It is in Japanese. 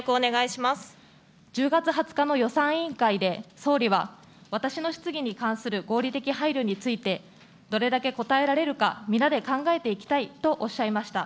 １０月２０日予算委員会で、総理は、私の質疑に関する合意的配慮について、どれだけこたえられるか皆で考えていきたいとおっしゃいました。